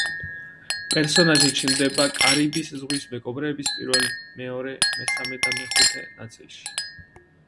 პერსონაჟი ჩნდება „კარიბის ზღვის მეკობრეების“ პირველ, მეორე, მესამე და მეხუთე ნაწილში.